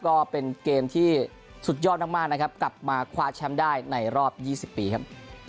ก็เป็นเกมที่สุดยอดมากนะครับกลับมาคว้าแชมป์ได้ในรอบ๒๐ปีครับ